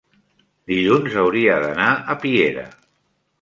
dilluns hauria d'anar a Piera.